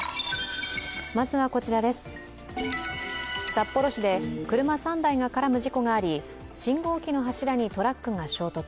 札幌市で車３台が絡む事故があり信号機の柱にトラックが衝突。